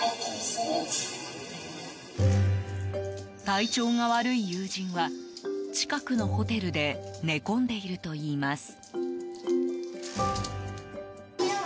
体調が悪い友人は近くのホテルで寝込んでいるといいます。